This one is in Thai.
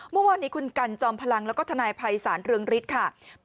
เมื่อวานนี้คุณกันจอมพลังแล้วก็ทนายภัยศาลเรืองฤทธิ์ค่ะ